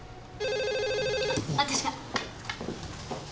私が！